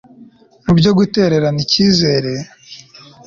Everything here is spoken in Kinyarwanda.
Mubyo gutererana icyizere